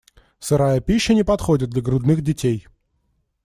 Сырая пища не подходит для грудных детей.